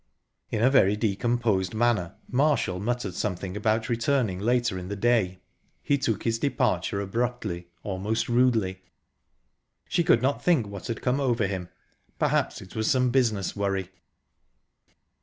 In a very decomposed manner, Marshall muttered something about returning later in the day. He took his departure abruptly almost rudely. She could not think what had come over him. Probably it was some business worry.